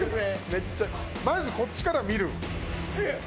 めっちゃまずこっちから見る。